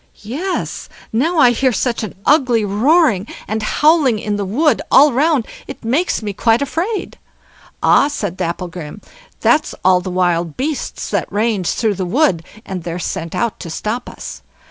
"Yes! now I hear such an ugly roaring and howling in the wood all round, it makes me quite afraid." "Ah!" said Dapplegrim, "that's all the wild beasts that range through the wood, and they're sent out to stop us.